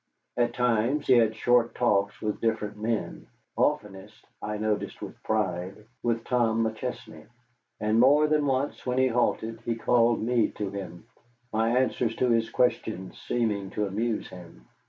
At times he had short talks with different men, oftenest I noted with pride with Tom McChesney. And more than once when he halted he called me to him, my answers to his questions seeming to amuse him.